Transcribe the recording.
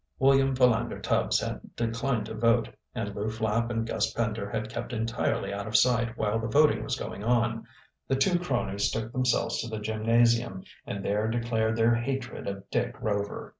William Philander Tubbs had declined to vote and Lew Flapp and Gus Pender had kept entirely out of sight while the voting was going on. The two cronies took themselves to the gymnasium and there declared their hatred of Dick Rover.